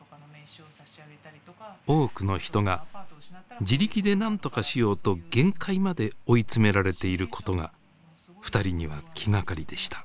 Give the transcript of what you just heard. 多くの人が自力で何とかしようと限界まで追い詰められていることがふたりには気がかりでした。